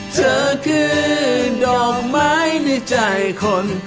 เธอคือดอกไม้ในใจคน